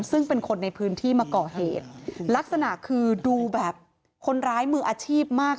ซึ่งเป็นคนในพื้นที่มาก่อเหตุลักษณะคือดูแบบคนร้ายมืออาชีพมาก